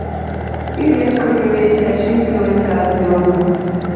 І рэчка пры лесе ачысцілася ад лёду.